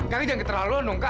kak jangan keterlaluan dong kak